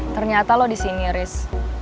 ternyata lo disini riz